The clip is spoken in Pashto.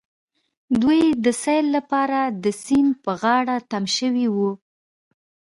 دوی د سيل لپاره د سيند په غاړه تم شوي وو.